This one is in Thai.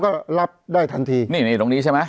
เพราะฉะนั้นประชาธิปไตยเนี่ยคือการยอมรับความเห็นที่แตกต่าง